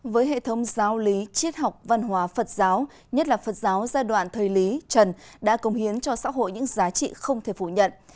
với hệ thống giáo lý triết học văn hóa phật giáo nhất là phật giáo giai đoạn thời lý trần đã công hiến cho xã hội những giá trị không thể phủ nhận